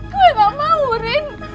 gue gak mau rin